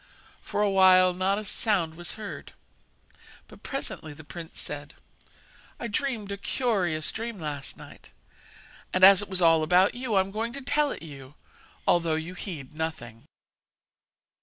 For a while not a sound was heard, but presently the prince said: 'I dreamed a curious dream last night, and as it was all about you I am going to tell it you, although you heed nothing.'